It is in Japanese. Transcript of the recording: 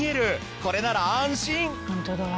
これなら安心！